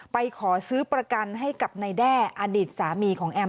ไปขอซื้อประกันให้กับนายแด้อดีตสามีของแอม